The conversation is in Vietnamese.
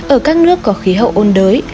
ở các nước có khí hậu ôn đới